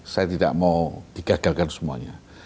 saya tidak mau digagalkan semuanya